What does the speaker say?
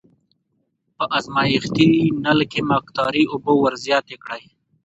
په ازمایښتي نل کې مقطرې اوبه ور زیاتې کړئ.